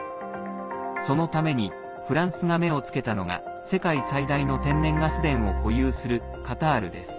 そのためにフランスが目をつけたのが世界最大の天然ガス田を保有するカタールです。